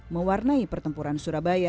mewarnai pertempuran surabaya